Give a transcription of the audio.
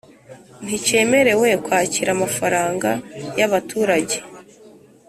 nticyemerewe kwakira amafaranga y abaturage